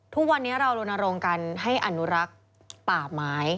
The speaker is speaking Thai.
ทุกวันนี้เรารณรงค์กันให้อนุรักษ์ป่าไม้